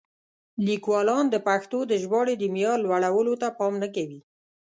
لیکوالان د پښتو د ژباړې د معیار لوړولو ته پام نه کوي.